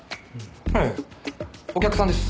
ええお客さんです。